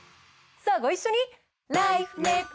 さぁご一緒に！